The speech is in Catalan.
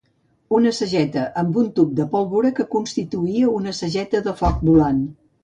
Una sageta amb un tub de pólvora que constituïa una sageta de foc volant.